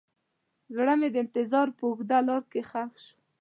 زړه مې د انتظار په اوږده لاره کې ښخ شو.